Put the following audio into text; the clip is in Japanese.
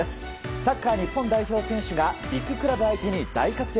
サッカー日本代表選手がビッグクラブ相手に大活躍。